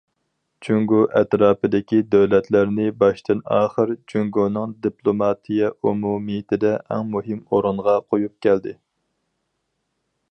جۇڭگو ئەتراپىدىكى دۆلەتلەرنى باشتىن- ئاخىر جۇڭگونىڭ دىپلوماتىيە ئومۇمىيىتىدە ئەڭ مۇھىم ئورۇنغا قويۇپ كەلدى.